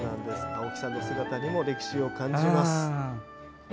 青木さんの姿にも歴史を感じます。